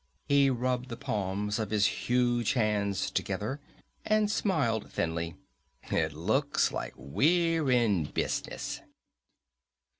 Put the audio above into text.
He rubbed the palms of his huge hands together and smiled thinly. "It looks like we're in business!"